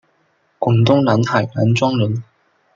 广东南海南庄人。